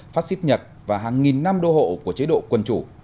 pháp xích nhật và hàng nghìn năm đô hộ của chế độ quân chủ